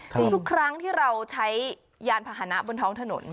ทุกครั้งที่เราใช้ยานพาหนะบนท้องถนน